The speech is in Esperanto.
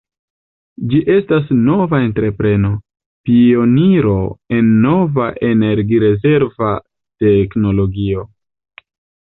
Ĝi estas nova entrepreno, pioniro en nova energi-rezerva teknologio.